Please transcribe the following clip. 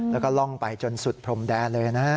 แล้วก็ล่องไปจนสุดพรมแดนเลยนะ